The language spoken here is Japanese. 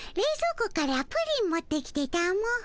庫からプリン持ってきてたも。